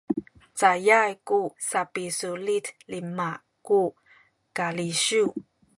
cacay ku sapisulit lima ku kalisiw